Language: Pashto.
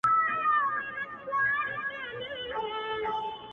ته راته گران يې خو سرزوري مي په ياد كـي نـــه دي؛